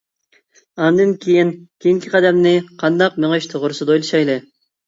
ئاندىن كىيىن كېيىنكى قەدەمنى قانداق مېڭىش توغرىسىدا ئويلىشايلى.